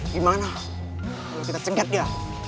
gimana kalo kita cengket dia